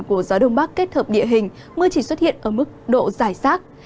của gió đông bắc kết hợp địa hình mưa chỉ xuất hiện ở mức độ giải sát